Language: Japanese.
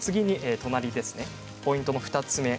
ポイント２つ目。